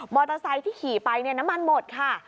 มอเตอร์ไซต์ที่ขี่ไปเนี่ยน้ำมันหมดค่ะ